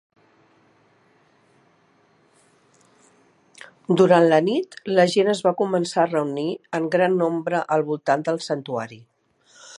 Durant la nit, la gent es va començar a reunir en gran nombre al voltant del santuari.